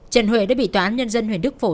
trần huệ đã bị tòa án nhân dân huyện đức phổ